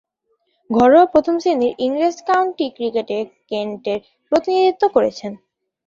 ঘরোয়া প্রথম-শ্রেণীর ইংরেজ কাউন্টি ক্রিকেটে কেন্টের প্রতিনিধিত্ব করেছেন।